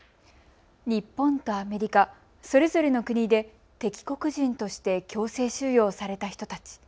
日本とアメリカ、それぞれの国で敵国人として強制収用された人たち。